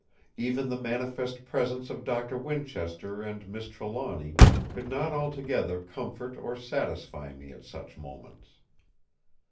Even the manifest presence of Doctor Winchester and Miss Trelawny could not altogether comfort or satisfy me at such moments.